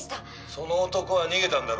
「その男は逃げたんだろ？